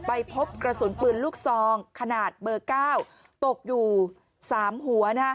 ไปพบกระสุนปืนลูกซองขนาดเบอร์๙ตกอยู่๓หัว